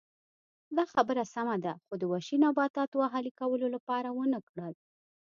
دا خبره سمه ده خو د وحشي نباتاتو اهلي کولو لپاره ونه کړل